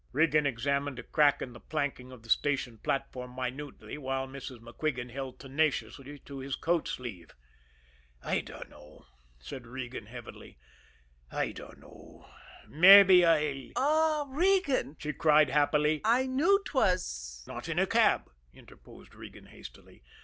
Regan examined a crack in the planking of the station platform minutely, while Mrs. MacQuigan held tenaciously to his coat sleeve. "I dunno," said Regan heavily. "I dunno. Mabbe I'll " "Ah, Regan!" she cried happily. "I knew 'twas " "Not in a cab!" interposed Regan hastily.